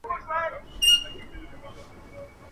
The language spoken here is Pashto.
o پېټ نسته، شرم غره ته ختلی دئ.